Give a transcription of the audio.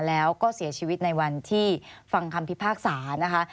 แล้วก็เสียชีวิตในวันที่ฟังคำพิพากษานะคะ